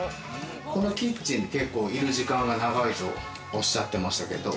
このキッチン結構いる時間が長いとおっしゃってましたけれども、